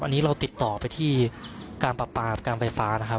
อันนี้เราติดต่อไปที่การปราปาการไฟฟ้านะครับ